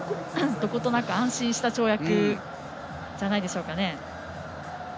どことなく安心した跳躍じゃないでしょうか。